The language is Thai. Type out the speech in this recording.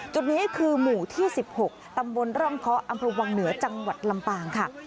จุดนี้คือหมู่ที่๑๖ตำบลร่องเคาะอำเภอวังเหนือจังหวัดลำปางค่ะ